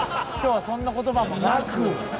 今日はそんな言葉もなく。